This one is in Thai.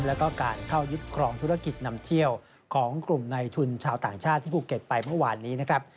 แล้วก็การเข้ายึดครองธุรกิจนำเที่ยวของกลุ่มในทุนชาวต่างชาติที่ภูเก็ตไปเมื่อวานนี้นะครับ